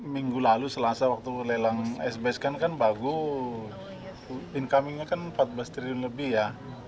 minggu lalu selasa waktu lelang sbn kan bagus incomingnya kan empat belas triliun lebih ya